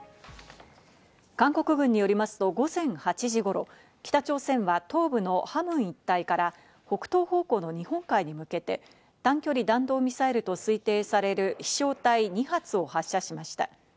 韓国軍によりますと午前８時頃、北朝鮮は東部のハムン一帯から北東方向の日本海に向けて短距離弾道ミサイルと推定される飛翔体２発を発射しました。